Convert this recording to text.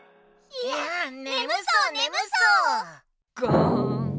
いやねむそうねむそう！ガーン。